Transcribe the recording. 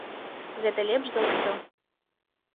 Гэта лепш за ўсё.